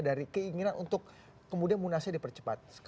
dari keinginan untuk kemudian munasnya dipercepat